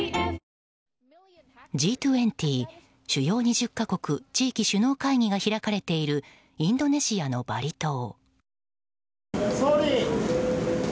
Ｇ２０・主要２０か国・地域首脳会議が開かれているインドネシアのバリ島。